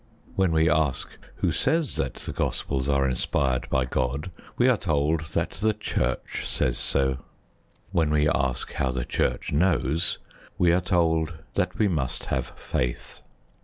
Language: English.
When we ask who says that the Gospels are inspired by God, we are told that the Church says so. When we ask how the Church knows, we are told that we must have faith.